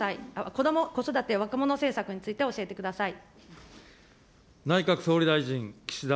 子ども・子育て・若者政策について教えてください。